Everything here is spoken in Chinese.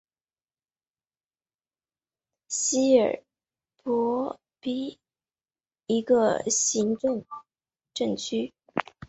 希尔伯恩镇区是位于美国阿肯色州麦迪逊县的一个行政镇区。